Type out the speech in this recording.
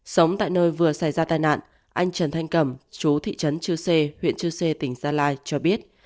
sống tại nơi vừa xảy ra tai nạn anh trần thanh cẩm chú thị trấn chư sê huyện chư sê tỉnh gia lai cho biết